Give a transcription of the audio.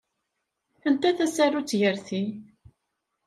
Anta tasarut gar ti?